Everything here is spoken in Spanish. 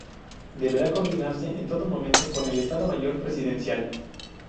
Deberá coordinarse en todo momento con el Estado Mayor Presidencial.